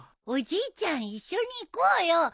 おじいちゃん一緒に行こうよ。